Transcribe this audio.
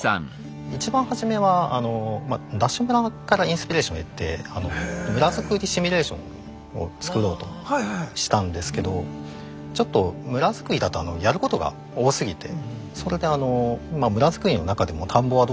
一番初めは「ＤＡＳＨ村」からインスピレーションを得て村づくりシミュレーションを作ろうしたんですけどちょっと村づくりだとあのやることが多すぎてそれであの村づくりの中でも田んぼはどうだろうと思いまして。